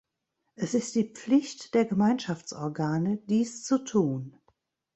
Es die Pflicht der Gemeinschaftsorgane, dies zu tun.